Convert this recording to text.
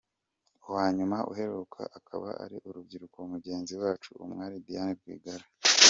Uwanyuma uheruka akaba ari urubyiruko mugenzi wacu umwali Diane Rwigara.